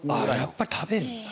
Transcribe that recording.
やっぱり食べるんだ。